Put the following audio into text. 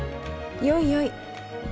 よいよい。